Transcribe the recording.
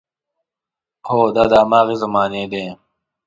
هو، دا د هماغې زمانې دی.